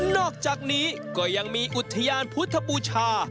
นอกจากนี้ก็ยังมีอุทยานพุทธบูชา